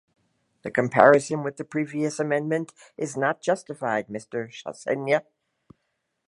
The comparison with the previous amendment is not justified, Mr. Chassaigne.